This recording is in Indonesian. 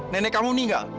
nenek kamu meninggal